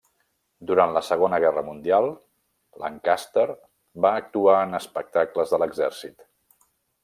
Durant la Segona Guerra Mundial, Lancaster va actuar en espectacles de l'exèrcit.